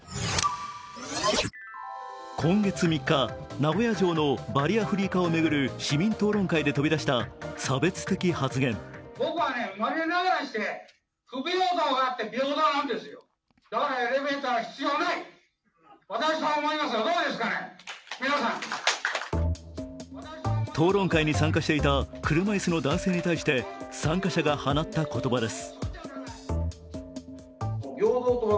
今月３日、名古屋城のバリアフリー化を巡る市民討論会で飛び出した差別的発言。討論会に参加していた車いすの男性に対して参加者が放った言葉です。